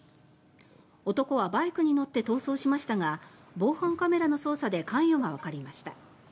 男はバイクに乗って逃走しましたが防犯カメラの捜査で関与がわかりました。